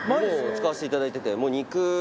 使わせていただいてて。